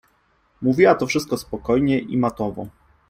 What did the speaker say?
Mówiła to wszystko spokojnie i matowo.